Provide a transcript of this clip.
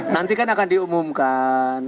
nanti kan akan diumumkan